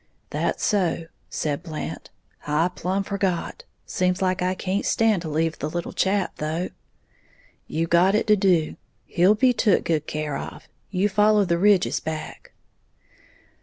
"That's so," said Blant, "I plumb forgot. Seems like I can't stand to leave the little chap, though." "You got it to do. He'll be took good care of. You follow the ridges back."